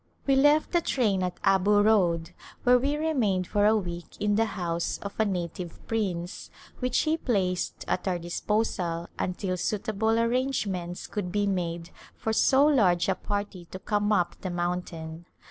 We left the train at Abu Road where we remained for a week in the house of a native prince which he placed at our disposal until suitable arrangements could be made for so large a party to come up the mountain.